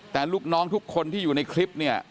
แต่ลูกน้องทุกคนที่อยู่ในคลิปเนี่ย